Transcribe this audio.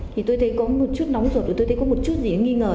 thì tôi thấy có một chút nóng rột rồi tôi thấy có một chút gì nghi ngờ